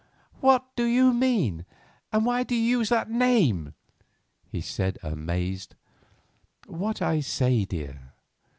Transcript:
"What do you mean, and why do you use that name?" he said amazed. "What I say, dear.